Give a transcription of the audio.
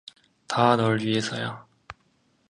다 널 위해서야.